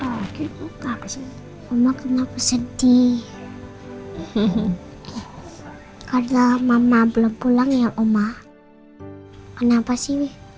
aku ingin pulang ya allah